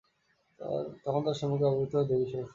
তখন তার সম্মুখে আবির্ভূত হন দেবী সরস্বতী।